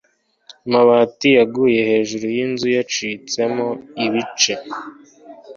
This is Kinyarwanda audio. amabati yaguye hejuru yinzu yacitsemo ibice